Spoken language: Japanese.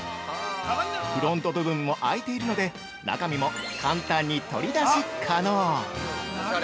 フロント部分も空いているので中身も簡単に取り出し可能。